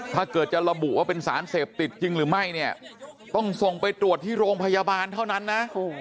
ถ้าเกิดจะระบุว่าเป็นสารเสพติดจริงหรือไม่เนี่ยต้องส่งไปตรวจที่โรงพยาบาลเท่านั้นนะ